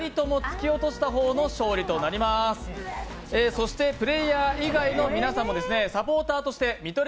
そしてプレーヤー以外の皆さんも、サポーターとして見取り